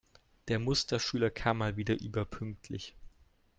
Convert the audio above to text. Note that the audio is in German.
Der Musterschüler kam mal wieder überpünktlich.